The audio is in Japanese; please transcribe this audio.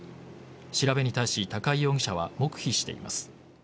調べに対し高井容疑者は黙秘しています。